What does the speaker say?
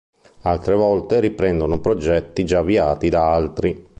Altre volte riprendono progetti già avviati da altri.